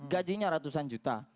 gajinya ratusan juta